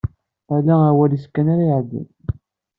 Ala awal-is kan ara iɛeddin.